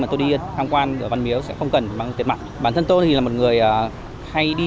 mà tôi đi tham quan ở văn miếu sẽ không cần bằng tiền mặt bản thân tôi thì là một người hay đi